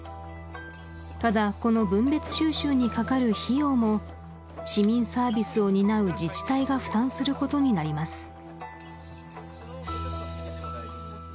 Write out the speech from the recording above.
ただこの分別収集にかかる費用も市民サービスを担う自治体が負担することになります